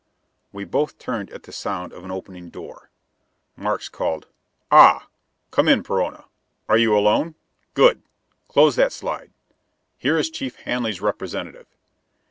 We both turned at the sound of an opening door. Markes called, "Ah, come in Perona! Are you alone? Good! Close that slide. Here is Chief Hanley's representative."